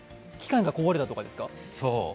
機械が壊れたとかですか？